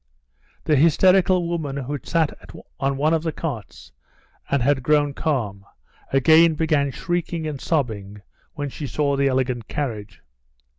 The hysterical woman who sat on one of the carts, and had grown calm, again began shrieking and sobbing when she saw the elegant carriage.